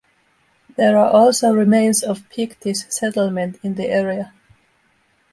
There are also remains of Pictish settlement in the area.